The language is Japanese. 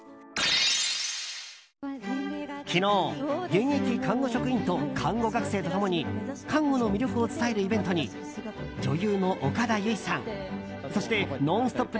昨日現役看護職員と看護学生と共に看護の魅力を伝えるイベントに女優の岡田結実さん、そして「ノンストップ！」